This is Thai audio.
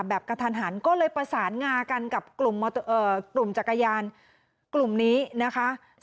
กระทันหันก็เลยประสานงากันกับกลุ่มจักรยานกลุ่มนี้นะคะ